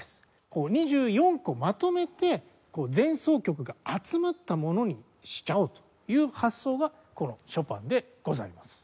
こう２４個まとめて前奏曲が集まったものにしちゃおうという発想がこのショパンでございます。